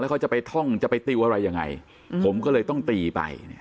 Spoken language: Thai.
เขาจะไปท่องจะไปติวอะไรยังไงผมก็เลยต้องตีไป